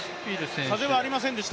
風はありませんでした。